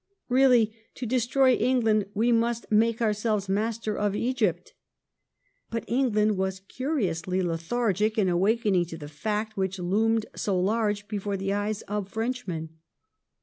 " Really to destroy England we must make ourselves master of Egypt." ^ But Eng land was curiously lethargic in awakening to the fact which loomed so large before the eyes of Frenchmen.